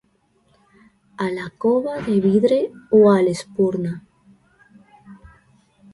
A la Cova de Vidre o a l'Espurna?